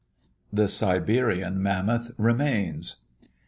THE SIBERIAN MAMMOTH REMAINS.